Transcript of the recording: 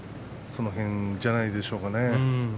その辺じゃないでしょうかね。